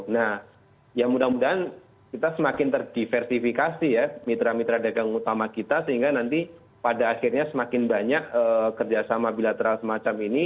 nah ya mudah mudahan kita semakin terdiversifikasi ya mitra mitra dagang utama kita sehingga nanti pada akhirnya semakin banyak kerjasama bilateral semacam ini